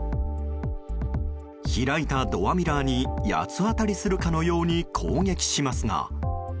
開いたドアミラーに八つ当たりするかのように攻撃しますが。